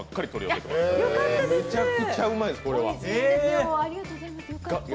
めちゃくちゃうまいです、これは。